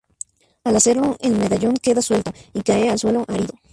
Al hacerlo, el medallón queda suelto y cae al suelo árido.